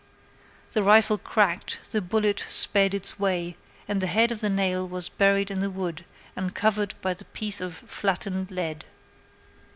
"The rifle cracked, the bullet sped its way, and the head of the nail was buried in the wood, covered by the piece of flattened lead."